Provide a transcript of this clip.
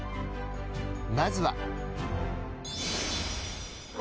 まずは。